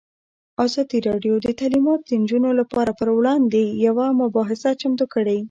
ازادي راډیو د تعلیمات د نجونو لپاره پر وړاندې یوه مباحثه چمتو کړې.